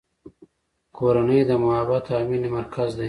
کورنۍ د محبت او مینې مرکز دی.